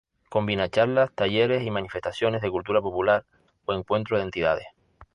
Combina charlas, talleres y manifestaciones de cultura popular o encuentro de entidades.